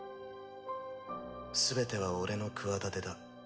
全ては俺の企てだ。